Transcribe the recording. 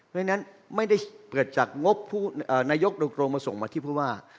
ดังนั้นไม่ได้เปิดจากงบนายกโดยโครงมาส่งมาที่ภูมิว่า